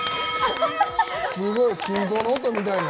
すごい、心臓の音みたいな。